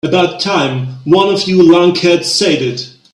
About time one of you lunkheads said it.